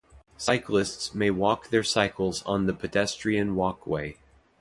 Cyclists may walk their cycles on the pedestrian walkway.